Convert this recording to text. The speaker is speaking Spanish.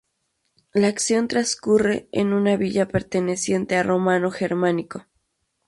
La acción transcurre en una villa perteneciente a Romano Germánico.